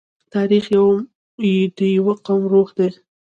تاریخ د یوه قوم روح دی.